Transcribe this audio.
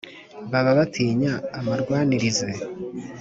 Baba batinya amarwanirize .